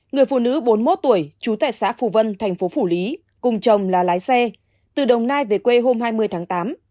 người phụ nữ bốn mươi một tuổi chú tại xã phù vân thành phố phủ lý cùng chồng là lái xe từ đồng nai về quê hôm hai mươi tháng tám